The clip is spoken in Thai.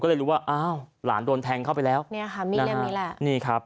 ก็เลยรู้ว่าอ้าวหลานโดนแทงเข้าไปแล้วเนี่ยค่ะมีดเล่มนี้แหละนี่ครับ